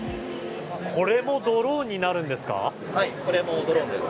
これもドローンになるんですか？